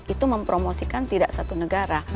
itu mempromosikan tidak satu negara